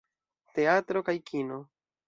Teatro kaj kino.